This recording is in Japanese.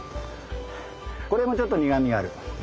これもちょっと苦みがある。